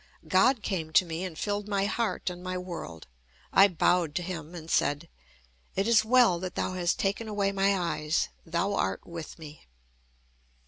God came to me, and filled my heart and my world. I bowed to Him, and said: "It is well that Thou has taken away my eyes. Thou art with me."